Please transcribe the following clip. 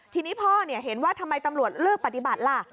ทีนี้พ่อเห็นว่าทำไมตำรวจเลือกปฏิบัติล่ะ